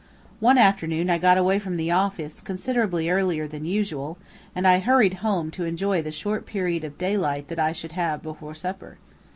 One afternoon I got away from the office considerably earlier than usual, and I hurried home to enjoy the short period of daylight that I should have before supper.